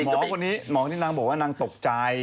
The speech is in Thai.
หมอคนนี้หมอคนนี้นางบอกว่านางตกใจ